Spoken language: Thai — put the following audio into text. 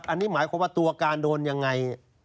อันนี้หมายความว่าตัวการโดนยังไง